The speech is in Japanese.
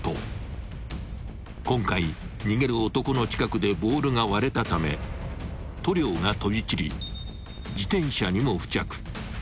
［今回逃げる男の近くでボールが割れたため塗料が飛び散り自転車にも付着］